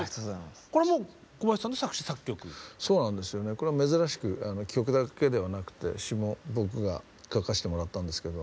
これは珍しく曲だけではなくて詞も僕が書かせてもらったんですけど。